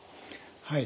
はい。